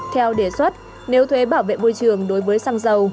theo đề xuất nếu thuế bảo vệ môi trường đối với xăng dầu